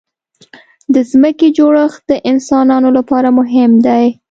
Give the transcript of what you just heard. د ځمکې جوړښت د انسانانو لپاره مهم دی.